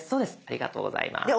ありがとうございます。